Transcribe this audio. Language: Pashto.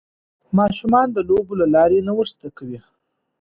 ماشومان د لوبو له لارې نوښت زده کوي.